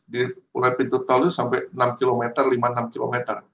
di mulai pintu tol itu sampai enam km lima enam km